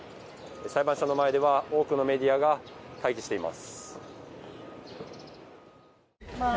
裁判所の前では多くのメディアが待機しています。